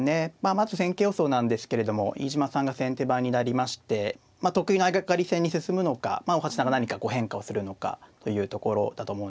まず戦型予想なんですけれども飯島さんが先手番になりまして得意の相掛かり戦に進むのか大橋さんが何か変化をするのかというところだと思うんですけどもね。